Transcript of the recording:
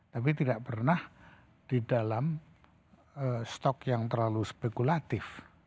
tapi tidak pernah di dalam stok yang terlalu spekulatif